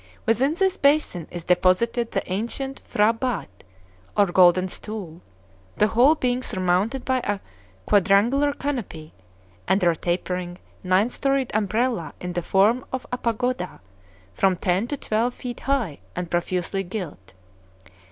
Within this basin is deposited the ancient P'hra batt, or golden stool, the whole being surmounted by a quadrangular canopy, under a tapering, nine storied umbrella in the form of a pagoda, from ten to twelve feet high and profusely gilt.